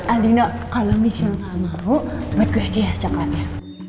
alina kalau michelle gak mau buat gue aja ya coklatnya